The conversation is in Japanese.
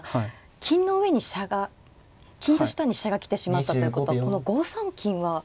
金の上に飛車が金の下に飛車が来てしまったということはこの５三金は。